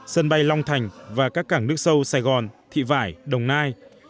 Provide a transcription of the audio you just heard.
sân bay long thành và các cảng nước sâu sài gòn thị vải đồng nai